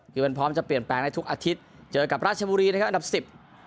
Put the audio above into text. คือมันพร้อมจะเปลี่ยนแปลงได้ทุกอาทิตย์เจอกับราชบุรีนะครับอันดับสิบ